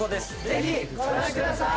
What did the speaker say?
ぜひご覧ください！